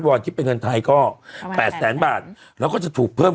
อนคิดเป็นเงินไทยก็แปดแสนบาทแล้วก็จะถูกเพิ่ม